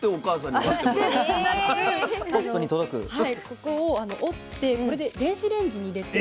ここを折ってこれで電子レンジに入れて。